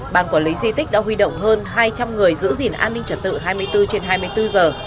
ban quản lý di tích đã huy động hơn hai trăm linh người giữ gìn an ninh trật tự hai mươi bốn trên hai mươi bốn giờ